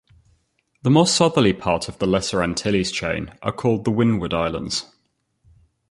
The more southerly part of the Lesser Antilles chain are called the Windward Islands.